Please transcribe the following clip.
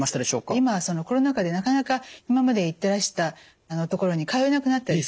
今はコロナ禍でなかなか今まで行ってらした所に通えなくなったり。